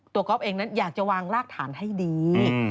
ก๊อฟเองนั้นอยากจะวางรากฐานให้ดี